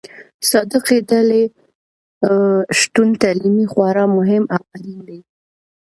صادقې ډلې شتون تعلیمي خورا مهم او اړين دي.